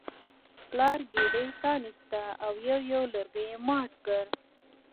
پلار ګېډۍ پرانیسته او یو یو لرګی یې مات کړ.